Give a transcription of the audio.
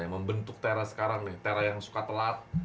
yang membentuk tera sekarang nih tera yang suka telat